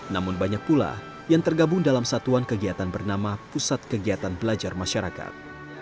namun banyak pula yang tergabung dalam satuan kegiatan bernama pusat kegiatan belajar masyarakat